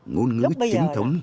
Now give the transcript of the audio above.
ngôn ngữ chính thống